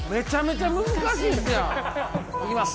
いきます。